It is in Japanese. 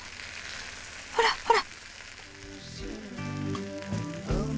ほらほら。